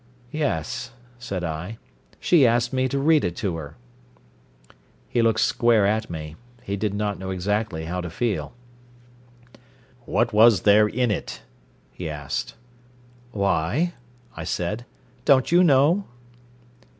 "Yes," said I. "She asked me to read it to her." He looked square at me. He did not know exactly how to feel. "What was there in it?" he asked. "Why?" I said. "Don't you know?"